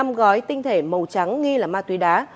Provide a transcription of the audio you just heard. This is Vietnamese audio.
màu trắng nghi là ma túy đá